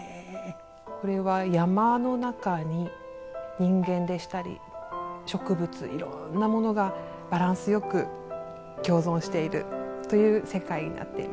これは山の中に人間でしたり植物色んなものがバランスよく共存しているという世界になっています。